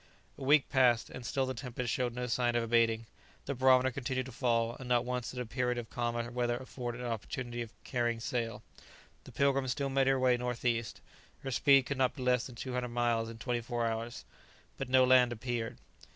A week passed, and still the tempest showed no signs of abating; the barometer continued to fall, and not once did a period of calmer weather afford an opportunity of carrying sail. The "Pilgrim" still made her way northeast. Her speed could not be less than two hundred miles in twenty four hours. But no land appeared.